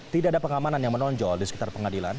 tidak ada pengamanan yang menonjol di sekitar pengadilan